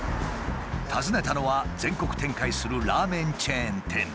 訪ねたのは全国展開するラーメンチェーン店。